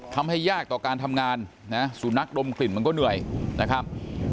ทำให้ยากต่อการทำงานนะสุนัขดมกลิ่นมันก็เหนื่อยนะครับ